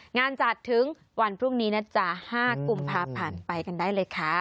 งานจัดถึงวันพรุ่งนี้นะจ๊ะ๕กุมภาพันธ์ไปกันได้เลยค่ะ